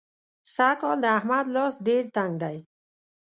سږکال د احمد لاس ډېر تنګ دی.